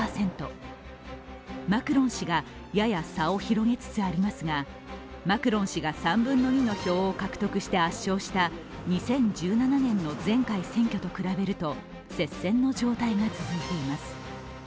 マクロン氏がやや差を広げつつありますが、マクロン氏が３分の２の票を獲得して圧勝した２０１７年の前回選挙と比べると接戦の状態が続いています。